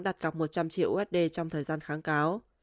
đặt cọc một trăm linh triệu usd trong thời gian kháng cáo